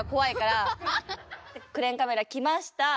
クレーンカメラ来ました。